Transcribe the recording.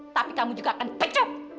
tapi kamu juga akan pecah